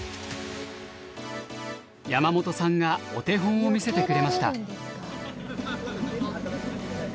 山本さんがお手本を見せてくれました。